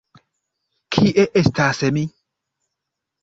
Kie estas mi?